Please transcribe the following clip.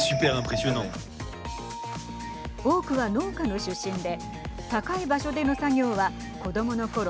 多くは農家の出身で高い場所での作業は子どものころ